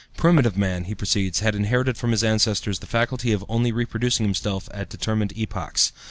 "Primitive man," he proceeds, "had inherited from his ancestors the faculty of only reproducing himself at determined epochs.